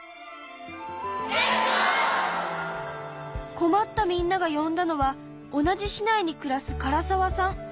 困ったみんなが呼んだのは同じ市内に暮らす唐澤さん。